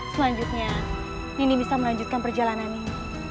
selanjutnya ini bisa melanjutkan perjalanan ini